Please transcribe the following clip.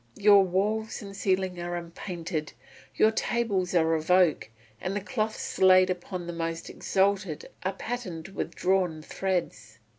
Your walls and ceiling are unpainted, your tables are of oak, and the cloths laid upon the most exalted are patterned with drawn threads.